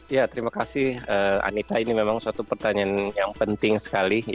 ya terima kasih anita ini memang suatu pertanyaan yang penting sekali